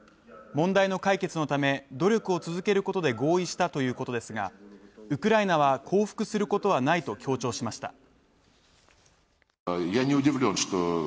問題の解決のため努力を続けることで合意したということですが、ウクライナは降伏することはないと強調しました。